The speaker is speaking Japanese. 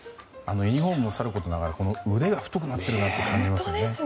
ユニホームもさることながら腕が太くなっているなって感じますね。